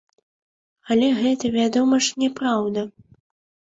Але гэта, вядома ж, няпраўда.